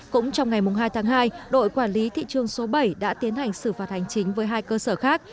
cũng trong ngày hai tháng hai đội quản lý thị trường số bảy đã tiến hành xử phạt hành chính với hai cơ sở khác